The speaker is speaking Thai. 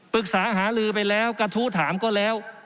ปรึกษาหาลือไปแล้วกระทู้ถามก็แล้ว